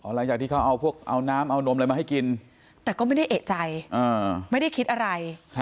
หลังจากที่เขาเอาพวกเอาน้ำเอานมอะไรมาให้กินแต่ก็ไม่ได้เอกใจไม่ได้คิดอะไร